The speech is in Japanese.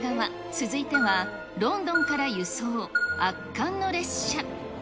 続いてはロンドンから輸送、圧巻の列車。